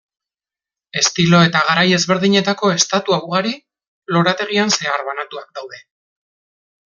Estilo eta garai ezberdinetako estatua ugari, lorategian zehar banatuak daude.